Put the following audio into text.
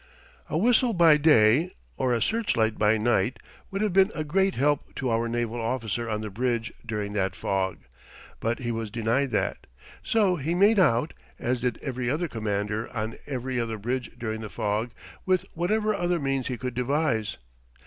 A whistle by day or a search light by night would have been a great help to our naval officer on the bridge during that fog, but he was denied that. So he made out (as did every other commander on every other bridge during the fog) with whatever other means he could devise.